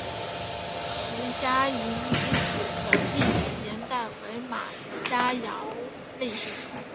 石家营遗址的历史年代为马家窑类型。